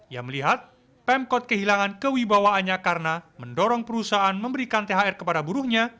ia melihat pemkot kehilangan kewibawaannya karena mendorong perusahaan memberikan thr kepada buruhnya